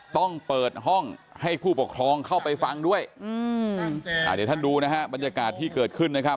ต้องเปิดห้องให้ผู้ปกครองเข้าไปฟังด้วยอืมอ่าเดี๋ยวท่านดูนะฮะบรรยากาศที่เกิดขึ้นนะครับ